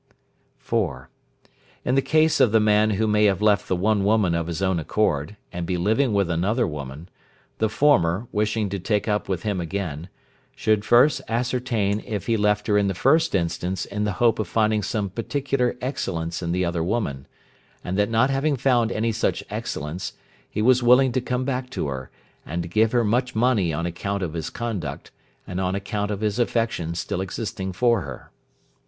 (4). In the case of the man who may have left the one woman of his own accord, and be living with another woman, the former (wishing to take up with him again) should first ascertain if he left her in the first instance in the hope of finding some particular excellence in the other woman, and that not having found any such excellence, he was willing to come back to her, and to give her much money on account of his conduct, and on account of his affection still existing for her.